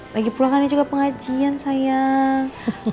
lagi pulang kan ini juga pengajian sayang